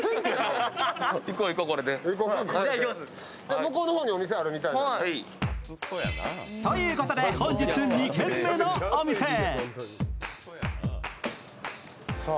向こうの方にお店あるみたい。ということで、本日２軒目のお店へ。